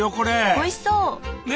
おいしそう！ね！